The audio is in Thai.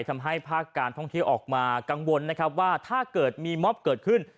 ทำให้ภาคการท่องเที่ยวออกมากังวลนะครับว่าถ้าเกิดมีมอบเกิดขึ้น